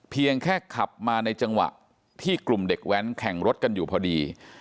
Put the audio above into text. เพียงแค่ขับมาในจังหวะที่กลุ่มเด็กแว้นแข่งรถกันอยู่พอดี